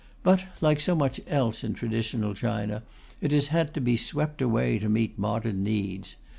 But, like so much else in traditional China, it has had to be swept away to meet modern needs.